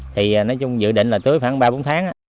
thì nói chung dự định là tưới khoảng ba bốn tháng